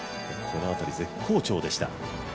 この辺り、絶好調でした。